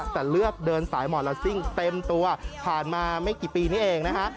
แต่เลือกเดินสายหมอลาซิ่งเต็มตัวผ่านมาไม่กี่ปีนี้เองนะฮะ